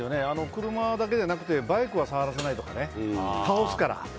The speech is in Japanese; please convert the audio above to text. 車だけじゃなくてバイクは触らせないとかね倒すから。